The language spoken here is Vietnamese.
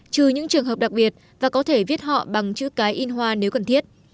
trừ những trường hợp đặc biệt và có thể viết họ bằng chữ cái in hoa nếu cần thiết